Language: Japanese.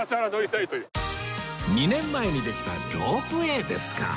２年前にできたロープウェーですか